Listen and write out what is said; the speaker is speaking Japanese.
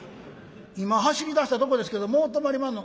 今走り出したとこですけどもう止まりまんの」。